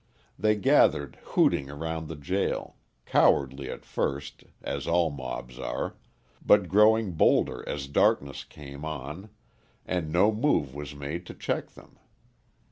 They gathered hooting around the jail, cowardly, at first, as all mobs are, but growing bolder as darkness came on and no move was made to check them.